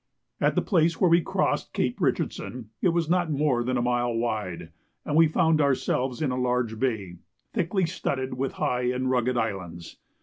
At the place where we crossed Cape Richardson it was not more than a mile wide, and we found ourselves in a large bay, thickly studded with high and rugged islands.